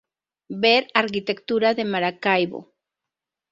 Ver Arquitectura de Maracaibo.